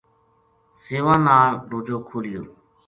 سیؤاں نال روجو کھولیو